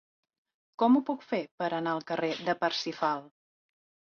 Com ho puc fer per anar al carrer de Parsifal?